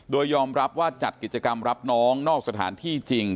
โดยยอมรับว่าจัดกิจกรรมรับน้องนอกสถานที่จริง